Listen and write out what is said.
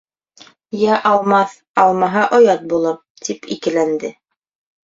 «Йә алмаҫ, алмаһа оят булыр», - тип икеләнде.